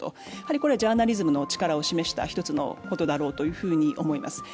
これはジャーナリズムの力を示した一つのことだろうと思います。